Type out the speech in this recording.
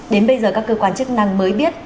đến bây giờ các cơ quan chức năng mới biết